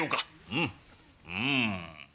うんうん。